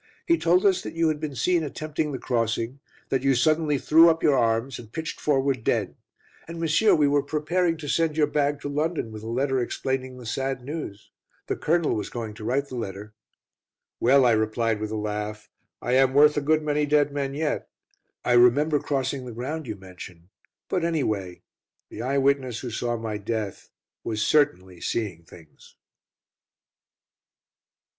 He told us that you had been seen attempting the crossing; that you suddenly threw up your arms, and pitched forward dead. And, monsieur, we were preparing to send your bag to London, with a letter explaining the sad news. The Colonel was going to write the letter." "Well," I replied with a laugh, "I am worth a good many dead men yet. I remember crossing the ground you mention but, anyway, the 'eye witness' who saw my death was certainly 'seeing things.'"